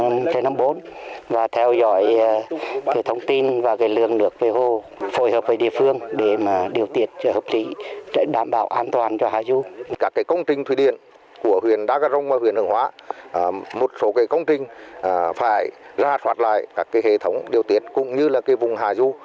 một số công trình phải ra soát lại các hệ thống điều tiết cũng như vùng hạ du